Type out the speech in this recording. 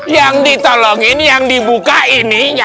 yang ditolongin yang dibuka ini